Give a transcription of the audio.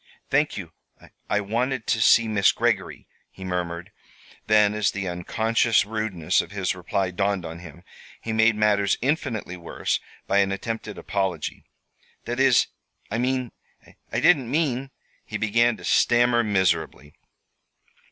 "Thank you. I wanted to see Miss Greggory," he murmured. Then, as the unconscious rudeness of his reply dawned on him, he made matters infinitely worse by an attempted apology. "That is, I mean I didn't mean " he began to stammer miserably.